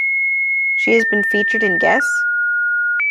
She has been featured in Guess?